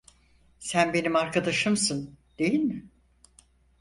Sen benim arkadaşımsın, değil mi?